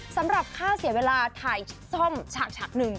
สำหรับค่าเสียเวลาถ่ายซ่อมฉากหนึ่ง